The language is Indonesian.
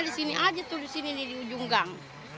di sini aja tuh di sini di ujung gang